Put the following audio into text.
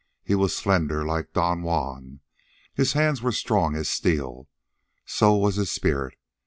He was slender, like Don Juan. His hands were strong as steel. So was his spirit.